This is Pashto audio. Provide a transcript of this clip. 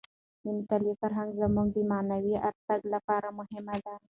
د مطالعې فرهنګ زموږ د معنوي ارتقاع لپاره مهم دی.